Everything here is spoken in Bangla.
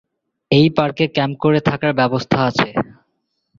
এই পার্কে ক্যাম্প করে থাকার ব্যবস্থা আছে।